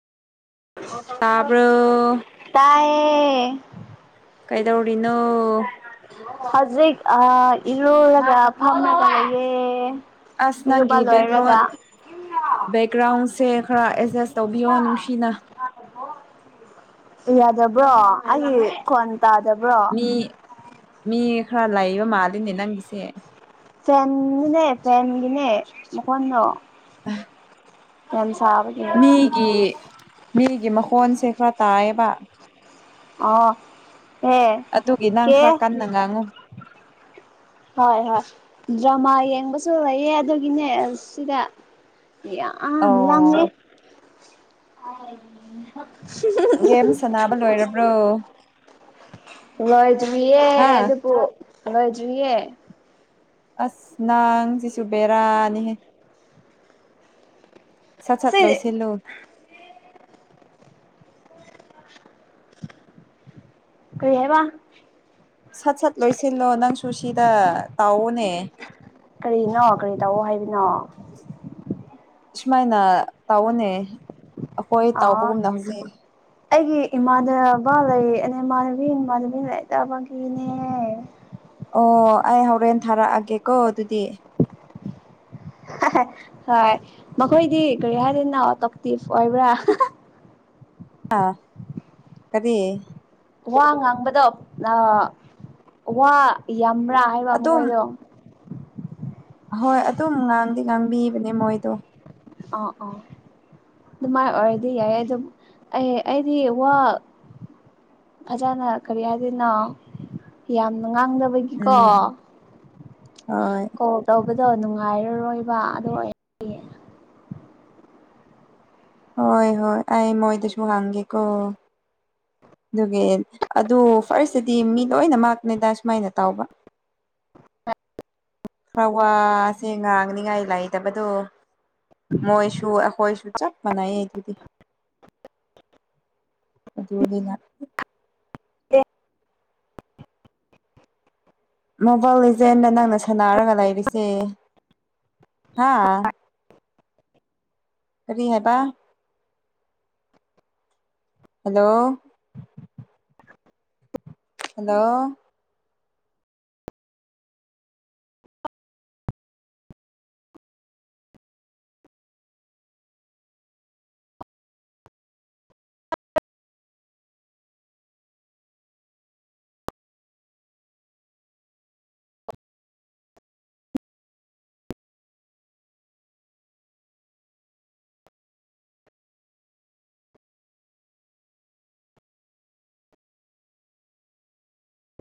ꯇꯥꯕ꯭ꯔꯣ ꯇꯥꯏꯌꯦ ꯀꯩꯗꯧꯔꯤꯅꯣ ꯍꯧꯖꯤꯛ ꯏꯔꯣꯏꯨꯔꯒ ꯐꯝꯅ ꯂꯌꯦ ꯑꯥꯁ ꯅꯪꯤꯒ꯭ꯔꯥꯎꯟ ꯕꯦꯛꯒ꯭ꯔꯥꯎꯟ ꯁꯦ ꯈꯔ ꯑꯦꯗꯖꯁ ꯇꯧꯕꯤꯌꯣ ꯅꯨꯡꯁꯤꯅ ꯌꯥꯗꯕ꯭ꯔꯣ ꯑꯩꯒꯤ ꯈꯣꯟ ꯇꯥꯗꯕ꯭ꯔꯣ ꯃꯤ ꯃꯤ ꯈꯔ ꯂꯥꯏꯌꯦꯕ ꯃꯥꯜꯂꯤꯅꯦ ꯅꯪꯒꯤꯁꯦ ꯐꯦꯟꯒꯤꯅꯦ ꯐꯦꯟꯒꯤꯅꯦ ꯃꯈꯣꯟꯗꯣ ꯑ ꯃꯤꯒꯤ ꯃꯤꯒꯤ ꯃꯈꯣꯟꯁꯦ ꯈꯔ ꯇꯥꯏꯌꯦꯕ ꯑꯣ ꯑꯦ ꯑꯗꯨꯒꯤ ꯅꯪ ꯀꯦ ꯈꯔ ꯀꯟꯅ ꯉꯥꯡꯉꯨ ꯍꯣꯏ ꯍꯣꯏ ꯗ꯭ꯔꯃꯥ ꯌꯦꯡꯕꯁꯨ ꯂꯩꯌꯦ ꯑꯗꯨꯒꯤꯅꯦ ꯁꯤꯗ ꯑꯣ ꯂ ꯌꯦꯦꯝ ꯁꯅꯕ ꯂꯣꯏꯔꯕ꯭ꯔꯣ ꯂꯖꯕꯤꯑꯦ ꯍꯥ ꯑꯗꯨ ꯄꯣ ꯂꯖꯑꯦ ꯑꯁ ꯅꯪꯁꯤꯁꯨ ꯕꯦꯔꯥꯅꯤꯍꯦ ꯁꯠ ꯁꯠ ꯑꯁꯤ ꯂꯣꯏꯁꯤꯂꯨ ꯀ꯭ꯔꯤꯌꯥꯦꯕ ꯁꯠ ꯁꯠ ꯂꯣꯏꯁꯤꯜꯂꯣ ꯅꯪꯁꯨ ꯁꯤꯗ ꯇꯥꯎꯑꯣꯅꯦ ꯀꯔꯤꯅꯣ ꯀꯔꯤ ꯇꯧꯑꯣ ꯍꯥꯏꯕꯤꯅꯣ ꯁꯨꯃꯥꯏꯅ ꯇꯥꯎꯒꯅꯦ ꯑꯩꯈꯣꯏ ꯑꯥ ꯇꯥꯎꯕꯒꯨꯝꯅ ꯍꯧꯖꯤꯛ ꯑꯩꯒꯤ ꯏꯃꯥꯟꯅꯕ ꯂꯩꯅꯦ ꯏꯃꯥꯟꯅꯕꯤ ꯏꯃꯥꯟꯅꯕꯤ ꯂꯩꯇꯕꯒꯤꯅꯦ ꯑꯣ ꯑꯩ ꯍꯣꯔꯦꯟ ꯊꯥꯔꯛꯑꯒꯦꯀꯣ ꯑꯗꯨꯗꯤ ꯎꯝ ꯍꯣꯏ ꯃꯈꯣꯏꯗꯤ ꯀꯔꯤ ꯍꯥꯏꯗꯅ ꯇꯣꯛꯇꯤꯐ ꯑꯣꯏꯕ꯭ꯔꯥ ꯑꯥ ꯀꯔꯤ ꯋꯥ ꯉꯥꯡꯕꯗꯣ ꯋꯥ ꯌꯥꯝꯕ꯭ꯔꯥ ꯍꯥꯏꯕ ꯑꯗꯨꯝ ꯃꯈꯣꯏꯗꯣ ꯍꯣꯏ ꯑꯗꯨꯝ ꯉꯥꯡꯗꯤ ꯉꯥꯡꯕꯤꯕꯅꯦ ꯃꯣꯏꯗꯣ ꯑꯥ ꯑꯥ ꯑꯗꯨꯃꯥꯏꯅ ꯑꯣꯏꯔꯗꯤ ꯌꯥꯏ ꯑꯗꯨ ꯑꯩ ꯑꯩꯗꯤ ꯋꯥ ꯐꯖꯥꯅ ꯀꯔꯤ ꯍꯥꯏꯗꯅꯣ ꯌꯥꯝ ꯉꯥꯡꯗꯕꯒꯤꯀꯣ ꯎꯝ ꯍꯣꯏ ꯀꯣ ꯇꯧꯕ ꯍꯥꯏꯕꯗꯣ ꯅꯨꯡꯉꯥꯏꯔꯔꯣꯏꯕ ꯑꯗꯨ ꯑꯣꯏꯔꯗꯤ ꯍꯣꯏ ꯍꯣꯏ ꯑꯩ ꯃꯣꯏꯗꯁꯨꯕꯨ ꯍꯥꯡꯒꯦꯀꯣ ꯑꯗꯨꯒꯤ ꯑꯗꯨ ꯐꯥꯔꯁꯇꯗꯤ ꯃꯤ ꯂꯣꯏꯅꯃꯛꯅꯤꯗ ꯁꯨꯃꯥꯏꯅ ꯇꯥꯎꯕ [inaudible] ꯈ꯭ꯔꯋꯥꯁꯦ ꯉꯥꯡꯅꯤꯉꯥꯏ ꯂꯩꯇꯕꯗꯣ ꯃꯣꯏꯁꯨ ꯑꯩꯈꯣꯏꯁꯨ ꯆꯞ ꯃꯥꯟꯅꯩ ꯑꯗꯨꯗꯤ ꯑꯗꯨꯗꯤ ꯑꯣꯏꯗꯤ ꯃꯣꯕꯥꯏꯜ ꯂꯤꯖꯦꯟꯅ ꯅꯪꯅ ꯁꯥꯟꯅꯔꯒ ꯂꯩꯔꯤꯁꯦ ꯍꯥꯥ ꯐꯔꯤ ꯍꯕ ꯍꯜꯂꯣ ꯍꯜꯂꯣ